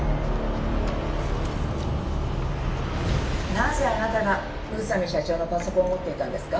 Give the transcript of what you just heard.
「なぜあなたが宇佐美社長のパソコンを持っていたんですか？